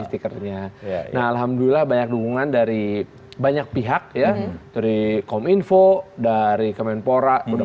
stikernya nah alhamdulillah banyak dukungan dari banyak pihak ya dari kominfo dari kemenpora udah